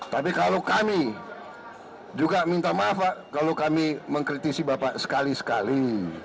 tapi kalau kami juga minta maaf pak kalau kami mengkritisi bapak sekali sekali